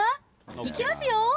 いきますよ。